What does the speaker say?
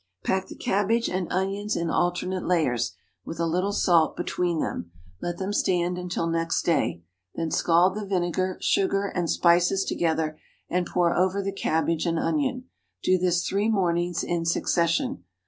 Pack the cabbage and onions in alternate layers, with a little salt between them. Let them stand until next day. Then scald the vinegar, sugar, and spices together, and pour over the cabbage and onion. Do this three mornings in succession.